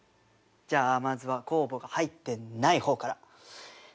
じゃあまずは酵母が入ってない方から。